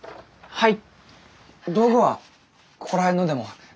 はい。